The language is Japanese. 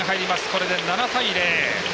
これで７対０。